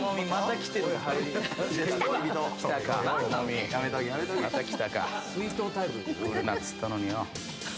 来るなっつったのによ。